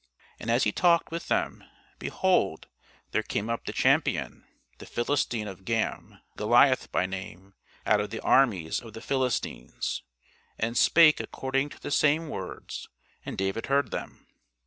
And as he talked with them, behold, there came up the champion, the Philistine of Gam, Goliath by name, out of the armies of the Philistines, and spake according to the same words; and David heard them.